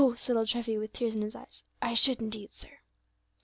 said old Treffy, with tears in his eyes, "I should indeed, sir."